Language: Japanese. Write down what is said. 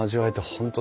本当